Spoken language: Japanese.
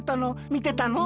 みてたよ。